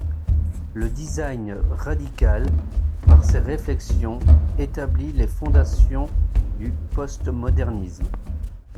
Le Design radical, par ses réflexions établit les fondations du Postmodernisme.